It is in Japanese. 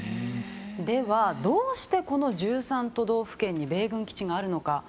では、どうしてこの１３都道府県に米軍基地があるのか。